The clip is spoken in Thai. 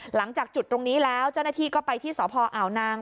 หลังจากจุดตรงนี้แล้วเจ้าหน้าที่ก็ไปที่สพอ่าวนาง